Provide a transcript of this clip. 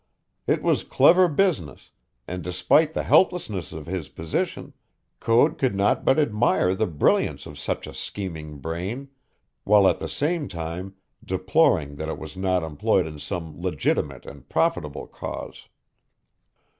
It was clever business, and despite the helplessness of his position, Code could not but admire the brilliance of such a scheming brain, while at the same time deploring that it was not employed in some legitimate and profitable cause.